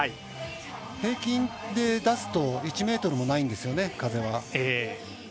平均で出すと１メートルもないんですよね風は。